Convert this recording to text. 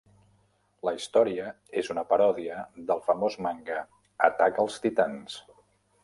La història és una paròdia, del famós manga, Atac als Titans.